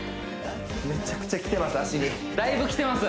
めちゃくちゃきてます